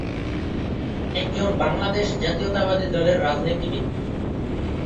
একজন বাংলাদেশ জাতীয়তাবাদী দলের রাজনীতিবিদ।